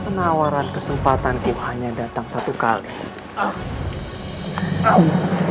penawaran kesempatanku hanya datang satu kali